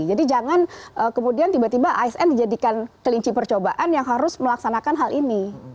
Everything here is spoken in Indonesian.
jadi jangan kemudian tiba tiba asn dijadikan kelinci percobaan yang harus melaksanakan hal ini